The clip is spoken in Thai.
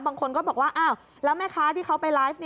บางคนก็บอกว่าอ้าวแล้วแม่ค้าที่เขาไปไลฟ์